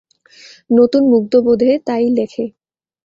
নতুন মুগ্ধবোধে তাই লেখে।